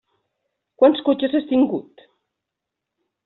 Quants cotxes has tingut?